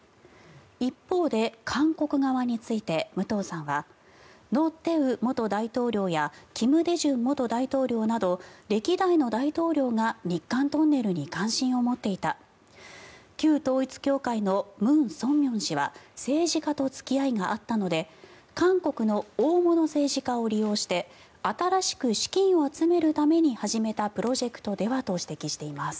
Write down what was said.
一方で、韓国側について武藤さんは盧泰愚元大統領や金大中元大統領など歴代の大統領が日韓トンネルに関心を持っていた旧統一教会のムン・ソンミョン氏は政治家と付き合いがあったので韓国の大物政治家を利用して新しく資金を集めるために始めたプロジェクトではと指摘しています。